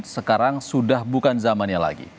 sekarang sudah bukan zamannya lagi